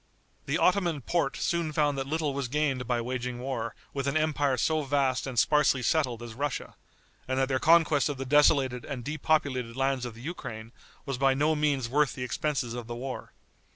The Ottoman Porte soon found that little was gained by waging war with an empire so vast and sparsely settled as Russia, and that their conquest of the desolated and depopulated lands of the Ukraine, was by no means worth the expenses of the war.